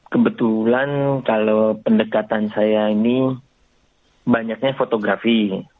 kebetulan kalau pendekatan saya ini banyaknya fotografi